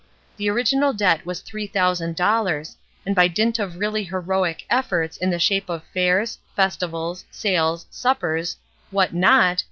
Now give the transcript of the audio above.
The original debt was three thou sand dollars, and by dint of really heroic efforts in the shape of fairs, festivals, sales, suppers, what not?